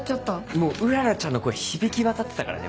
もううららちゃんの声響き渡ってたからね。